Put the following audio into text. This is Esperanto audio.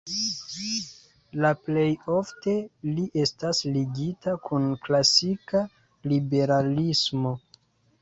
La plej ofte li estas ligita kun klasika liberalismo.